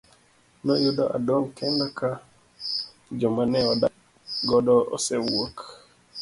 Noyudo adong' kenda ka joma ne wadak godo osewuok.